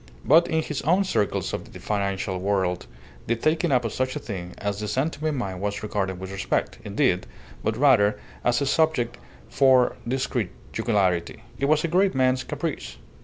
But in his own circles of the financial world the taking up of such a thing as the San Tome mine was regarded with respect, indeed, but rather as a subject for discreet jocularity. It was a great man's caprice.